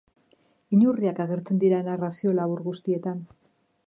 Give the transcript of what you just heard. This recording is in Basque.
Inurriak agertzen dira narrazio labur guztietan.